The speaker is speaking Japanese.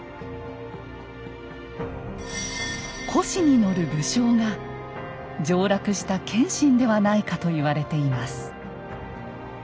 輿に乗る武将が上洛した謙信ではないかと言われています。